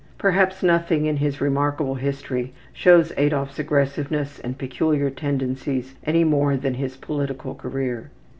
Perhaps nothing in his remarkable history shows Adolf's aggressiveness and peculiar tendencies any more than his political career.